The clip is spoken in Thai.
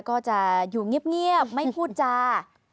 ก็จะอยู่เงียบไม่พูดจา